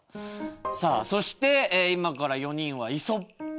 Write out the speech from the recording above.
さあそして今から４人は「イソップ」